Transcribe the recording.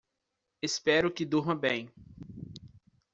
Espero que durma bem